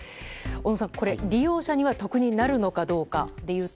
小野さん、利用者には得になるのかどうかでいうと？